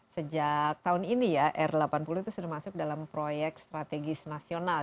sejak tahun ini ya r delapan puluh itu sudah masuk dalam proyek strategis nasional